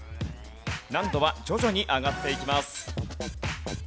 難度は徐々に上がっていきます。